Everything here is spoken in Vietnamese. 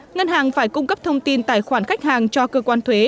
ngân hàng phải cung cấp thông tin tài khoản khách hàng cho cơ quan thuế